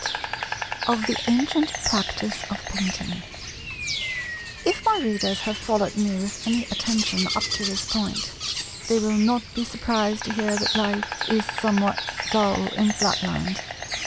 § 8 Of the Ancient Practice of Painting If my Readers have followed me with any attention up to this point, they will not be surprised to hear that life is somewhat dull in Flatland.